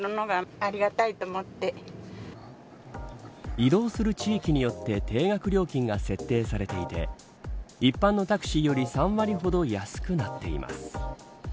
移動する地域によって定額料金が設定されていて一般のタクシーより３割ほど安くなっています。